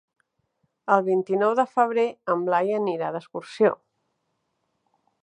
El vint-i-nou de febrer en Blai anirà d'excursió.